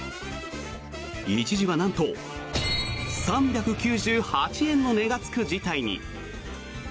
一時はなんと３９８円の値がつく事態に。